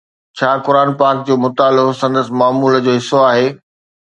ڇا قرآن پاڪ جو مطالعو سندس معمول جو حصو آهي؟